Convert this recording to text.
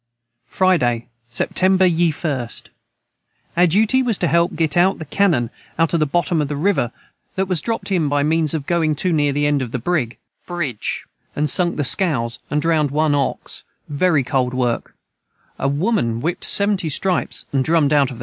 Friday September ye 1st. Our duty was to help git out the Cannon out of the Bottom of the river that was dropt in by the means of going to near the end of the Brig and sunk the scows and drownd 1 ox very cold work A woman whipt 70 stripes & drumed out of Camp.